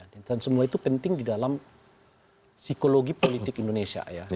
semua itu penting di dalam psikologi politik indonesia ya